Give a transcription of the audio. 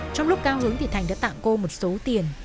trong lúc cao hướng thì thành đã tặng cô một số tiền